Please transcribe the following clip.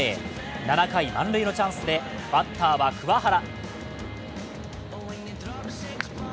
７回、満塁のチャンスでバッターは桑原。